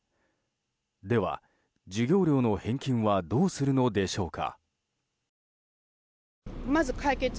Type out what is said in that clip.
では、授業料の返金はどうするのでしょうか。